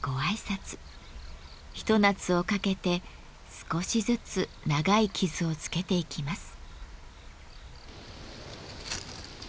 ひと夏をかけて少しずつ長い傷をつけていきます。